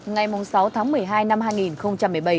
ngày sáu tháng một mươi hai năm hai nghìn một mươi bảy